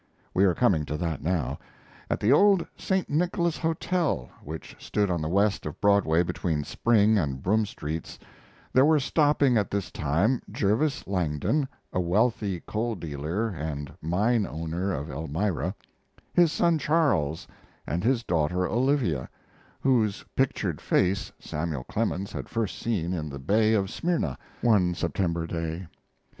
We are coming to that now. At the old St. Nicholas Hotel, which stood on the west of Broadway between Spring and Broome streets, there were stopping at this time Jervis Langdon, a wealty coal dealer and mine owner of Elmira, his son Charles and his daughter Olivia, whose pictured face Samuel Clemens had first seen in the Bay of Smyrna one September day.